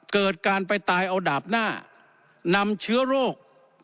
เกิดการไปตายเอาดาบหน้านำเชื้อโรค